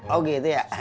oh gitu ya